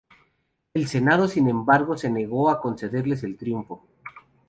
El Senado, sin embargo, se negó a concederles el triunfo.